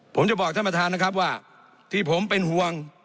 ผมจะบอกท่านประธานนะครับว่าที่ผมเป็นห่วง